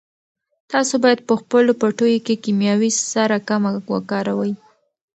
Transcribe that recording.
تاسو باید په خپلو پټیو کې کیمیاوي سره کمه وکاروئ.